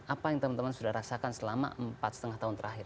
apa yang teman teman sudah rasakan selama empat lima tahun terakhir